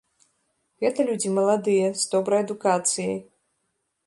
Гэта людзі маладыя, з добрай адукацыяй.